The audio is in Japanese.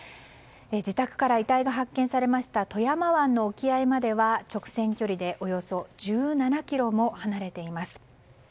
自宅から遺体が発見されました富山湾の沖合までは直線距離でおよそ１７ｋｍも離れています。